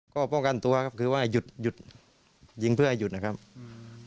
ก็ป้องกันตัวครับคือว่าหยุดหยุดยิงเพื่อให้หยุดนะครับอืม